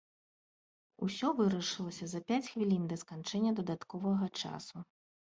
Усё вырашылася за пяць хвілін да сканчэння дадатковага часу.